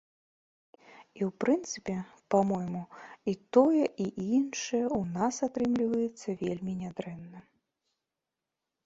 І ў прынцыпе, па-мойму, і тое, і іншае ў нас атрымліваецца вельмі нядрэнна.